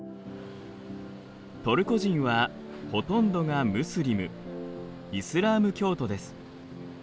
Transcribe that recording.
トルコ人はほとんどがムスリムイスラーム教徒です。